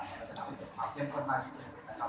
ก็จะทำให้เกิดความเข้มข้นมากยิ่งขึ้นนะครับ